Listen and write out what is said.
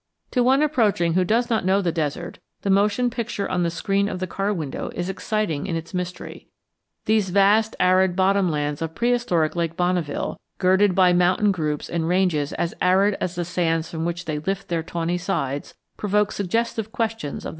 To one approaching who does not know the desert, the motion picture on the screen of the car window is exciting in its mystery. These vast arid bottomlands of prehistoric Lake Bonneville, girded by mountain groups and ranges as arid as the sands from which they lift their tawny sides, provoke suggestive questions of the past.